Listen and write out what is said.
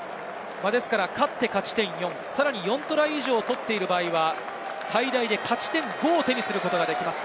勝って勝ち点４、さらに４トライ以上を取っている場合は最大で勝ち点５を手にすることができます。